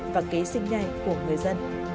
và kế sinh nhai của người dân